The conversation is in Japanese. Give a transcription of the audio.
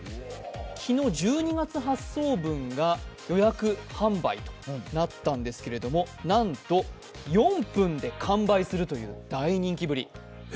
昨日１２月発送分が予約販売となったんですがなんと、４分で完売するという大人気ぶり。